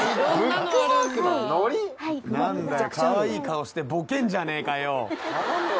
何だよかわいい顔してボケんじゃねえかよ。